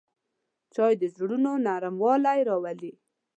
چای د زړونو نرموالی راولي